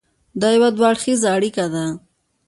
دا یو دوه اړخیزه اړیکه ده.